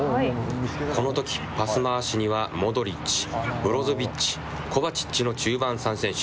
このとき、パス回しには、モドリッチブロゾビッチ、コバチッチの中盤３選手。